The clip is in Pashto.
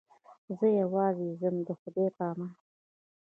زه یوازې ځم د خدای په امان.